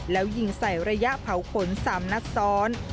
แล้วยิงใส่ระยะเผาขน๓นัดซ้อน